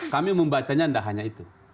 kami membacanya tidak hanya itu